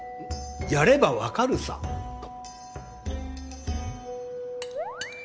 やれば分かるさと。